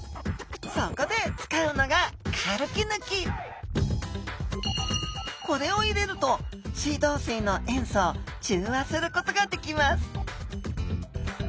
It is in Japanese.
そこで使うのがこれを入れると水道水の塩素を中和することができます